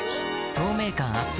透明感アップ